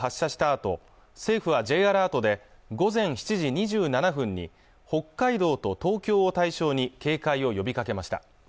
あと政府はＪアラートで午前７時２７分に北海道と東京を対象に警戒を呼びかけました